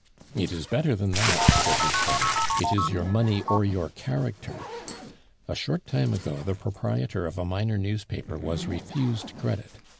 "It is better than that," said Lousteau; "it is your money or your character. A short time ago the proprietor of a minor newspaper was refused credit.